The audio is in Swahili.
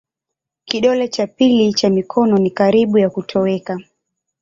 Kidole cha pili cha mikono ni karibu ya kutoweka.